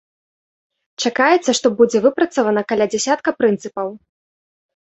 Чакаецца, што будзе выпрацавана каля дзясятка прынцыпаў.